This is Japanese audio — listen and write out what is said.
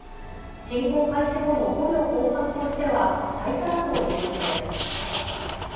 侵攻開始後の捕虜交換としては、最多だということです。